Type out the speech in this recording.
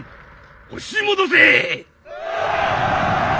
押し戻せ！